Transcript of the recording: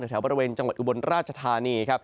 ตรงแถวบริเวณจังหวัดอุบลราชธานี